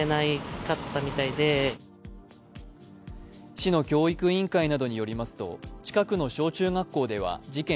市の教育委員会などによりますと、近くの小中学校では事件